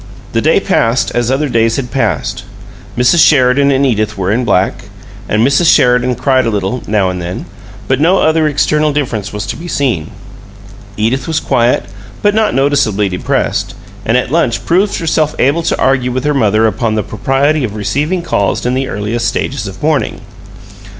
The day passed as other days had passed. Mrs. Sheridan and Edith were in black, and Mrs. Sheridan cried a little, now and then, but no other external difference was to be seen. Edith was quiet, but not noticeably depressed, and at lunch proved herself able to argue with her mother upon the propriety of receiving calls in the earliest stages of "mourning."